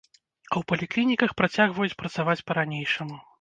А ў паліклініках працягваюць працаваць па-ранейшаму.